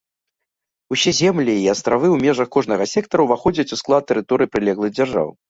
Усе землі і астравы ў межах кожнага сектара ўваходзяць у склад тэрыторый прылеглых дзяржаў.